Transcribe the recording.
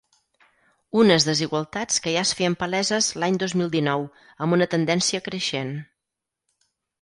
Unes desigualtats que ja es feien paleses l’any dos mil dinou, amb una tendència creixent.